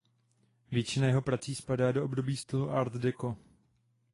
Většina jeho prací spadá do období stylu art deco.